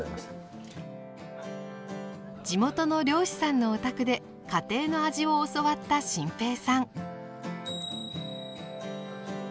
地元の漁師さんのお宅で家庭の味を教わった心平さん。